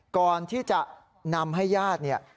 ก่อนที่จะนำให้ญาติเนี่ย